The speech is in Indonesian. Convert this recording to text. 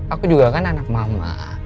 aku juga kan anak mama